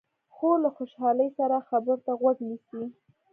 خور له خوشحالۍ سره خبرو ته غوږ نیسي.